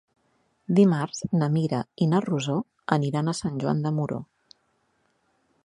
Dimarts na Mira i na Rosó aniran a Sant Joan de Moró.